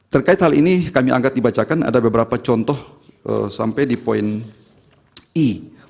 terkait hal ini kami angkat dibacakan ada beberapa contoh sampai di poin i